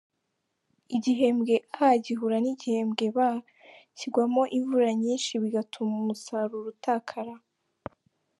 Igihembwe A gihura n’igihembwe B kigwamo imvura nyinshi bigatuma umusaruro utakara.